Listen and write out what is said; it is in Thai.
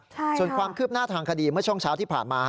ส่วนความคืบหน้าทางคดีเมื่อช่วงเช้าที่ผ่านมา